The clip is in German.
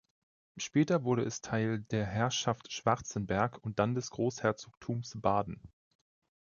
Später wurde es Teil der Herrschaft Schwarzenberg und dann des Großherzogtums Baden.